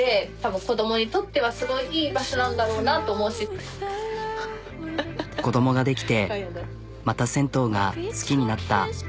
多分子供が出来てまた銭湯が好きになった。